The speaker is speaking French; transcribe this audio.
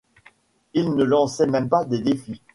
Ils se lançaient même des défis.